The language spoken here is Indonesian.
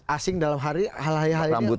asing dalam hari halahaya hayanya